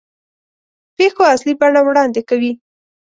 پېښو اصلي بڼه وړاندې کوي.